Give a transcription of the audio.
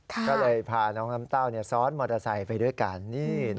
ก็เลยพาน้องน้ำเต้าซ้อนมอเตอร์ไซค์ไปด้วยกัน